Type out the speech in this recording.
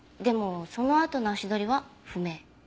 でもそのあとの足取りは不明。